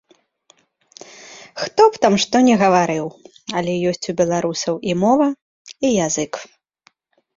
Хто б там што ні гаварыў, але ёсць у беларусаў і мова, і язык.